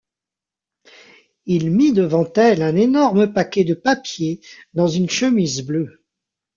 Il mit devant elle un énorme paquet de papiers, dans une chemise bleue.